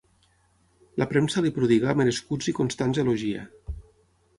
La premsa li prodigà merescuts i constants elogia.